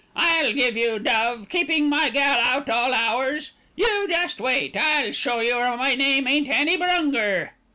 "I'll give you dove, keeping my gal out all hours. You just wait. I'll show you, or my name ain't Annie Brunger."